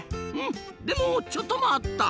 でもちょっと待った！